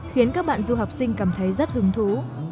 khiến các bạn du học sinh cảm thấy rất hứng thú